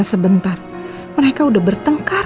isi dan tarah tangan